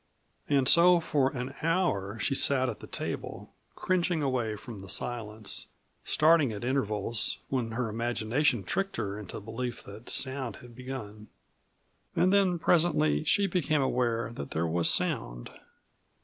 And so for an hour she sat at the table, cringing away from the silence, starting at intervals, when her imagination tricked her into the belief that sound had begun. And then presently she became aware that there was sound.